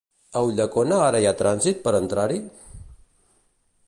A Ulldecona ara hi ha trànsit per entrar-hi?